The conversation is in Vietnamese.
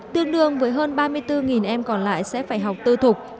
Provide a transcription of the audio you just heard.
tương đương với hơn ba mươi bốn em còn lại sẽ phải học tư thục